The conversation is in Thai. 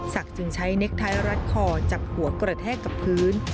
จึงใช้เน็กไทยรัดคอจับหัวกระแทกกับพื้น